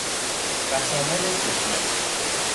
بسامد چشمک